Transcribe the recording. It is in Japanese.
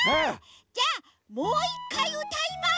じゃあもう１かいうたいます。